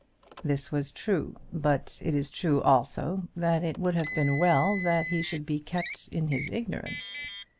This was true; but it is true also that it would have been well that he should be kept in his ignorance.